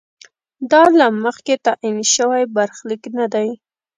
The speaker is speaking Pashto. دا له مخکې تعین شوی برخلیک نه دی.